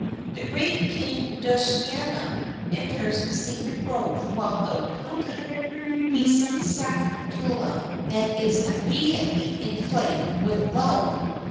The great king Dushianta enters the sacred grove while out hunting; he sees Sakuntala, and is immediately inflamed with love for her.